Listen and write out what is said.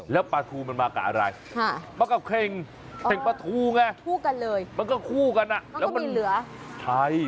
แล้วปลาทูมันมากับอะไรคือเคงปลาทูมันก็คู่กันแล้วก็มีเหลือใช่มันเยอะ